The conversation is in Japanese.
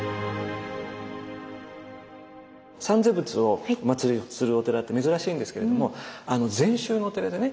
三世仏をおまつりするお寺って珍しいんですけれども禅宗のお寺でね